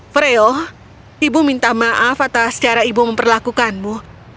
freo ibu minta maaf atas cara ibu memperlakukanmu